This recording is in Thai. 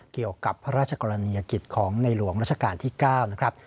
เกี่ยวกับพระราชกรณียกิจของในหลวงราชการที่๙นะครับ